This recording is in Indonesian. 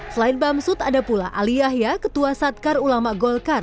selain bamsud ada pula ali yahya ketua satkar ulama golkar